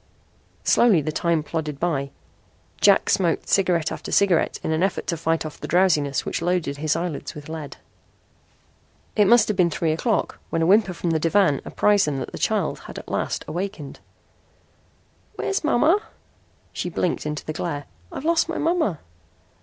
Slowly the time plodded by. Jack smoked cigarette after cigarette in an effort to fight off the drowsiness which loaded his eyelids with lead. It must have been three o'clock when a whimper from the divan apprised them that the child at last had awakened. "Where's mama?" She blinked into the glare. "I've lost my mama."